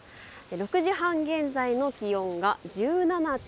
６時半現在の気温が１７．９度。